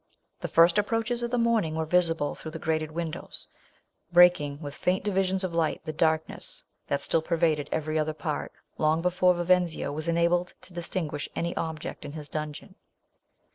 The first approaches of the morn ing were visible through the grated windows, breaking, with faint divi sions of light, the darkness that still pervaded every other part, long be fore Vivenzio was enabled to distin guish any object in his dungeon.